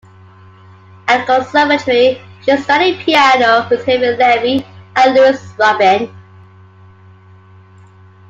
At the Conservatory, she studied piano with Heniot Levy and Louise Robyn.